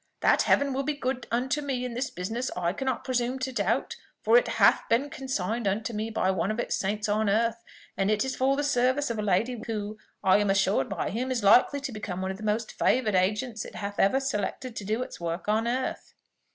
That Heaven will be good unto me in this business, I cannot presume to doubt; for it hath been consigned unto me by one of its saints on earth, and it is for the service of a lady who, I am assured by him, is likely to become one of the most favoured agents that it hath ever selected to do its work on earth."